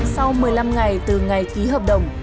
sau một mươi năm ngày từ ngày ký hợp đồng